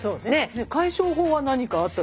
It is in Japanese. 解消法は何かあったりする？